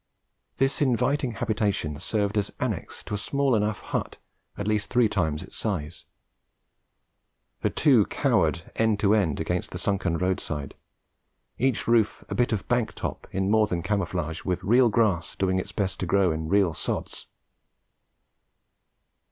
This inviting habitation served as annex to a small enough hut at least three times its size; the two cowered end to end against the sunken roadside, each roof a bit of bank top in more than camouflage, with real grass doing its best to grow in real sods.